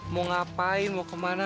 mau ngapain mau kemana